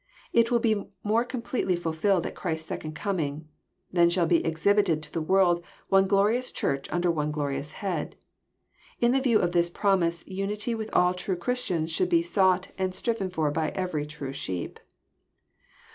It will be more completely fhlfllled at Christ's second coming : then shall be exhibited to the world one glorious Church under one glorious Head. In the view of this promise unity with all true Christians should be sought and striven for by every true sheep.